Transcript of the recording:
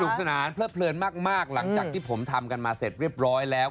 สนานเพลิดเพลินมากหลังจากที่ผมทำกันมาเสร็จเรียบร้อยแล้ว